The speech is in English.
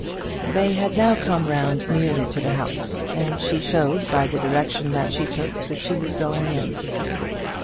They had now come round nearly to the house, and she showed, by the direction that she took, that she was going in.